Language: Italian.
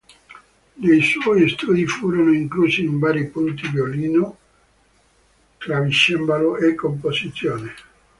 Nei suoi studi furono inclusi, in vari punti, violino, clavicembalo e composizione.